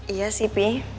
iya sih pi